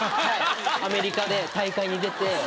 アメリカで大会にでて。